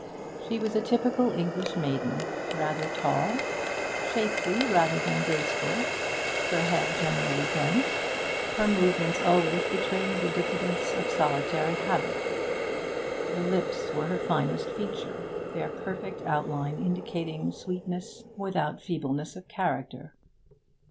She was a typical English maiden, rather tall, shapely rather than graceful, her head generally bent, her movements always betraying the diffidence of solitary habit. The lips were her finest feature, their perfect outline indicating sweetness without feebleness of character.